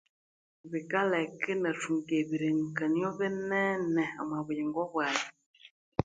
Bikaleka inathunga ebirengekanio binene omwa buyingo bwaghe